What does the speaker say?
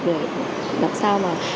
phù hợp để làm sao